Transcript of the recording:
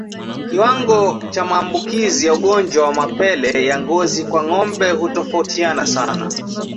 Kiwango cha maambukizi ya ugonjwa wa mapele ya ngozi kwa ngombe hutofautiana sana